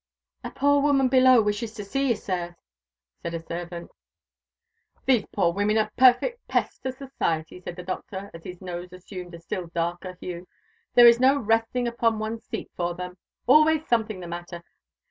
"A poor woman below wishes to se you, sir," said a servant. "These poor women are perfect pests to society," said the Doctor, as his nose assumed a still darker hue; "there is no resting upon one's seat for them always something the matter!